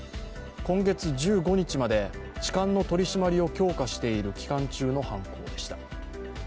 今月１５日まで痴漢の取り締まりを強化している期間中の犯行でした。